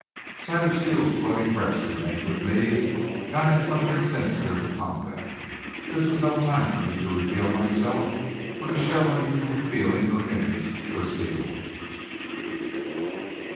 Sight of Steele's bloody breast remained with me, and I had something sinister to combat. This was no time for me to reveal myself or to show unusual feeling or interest for Steele.